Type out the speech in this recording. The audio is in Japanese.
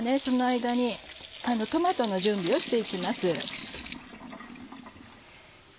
その間にトマトの準備をして行きます。